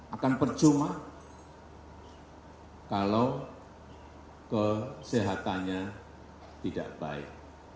akan percuma kalau kesehatannya tidak baik